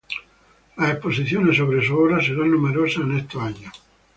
Las exposiciones sobre su obra serán numerosas en estos años.